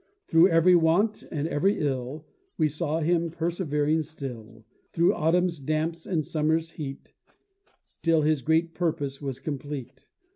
Through every want and every ill We saw him persevering still, Through Autumn's damps and Summer's heat, Till his great purpose was complete.